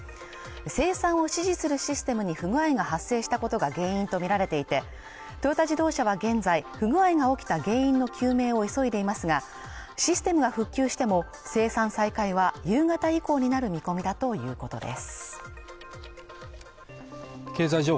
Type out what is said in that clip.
生産を指示するシステムに不具合が発生したことが原因とみられていてトヨタ自動車は現在不具合が起きた原因の究明を急いでいますがシステムが復旧しても生産再開は夕方以降になる見込みだということです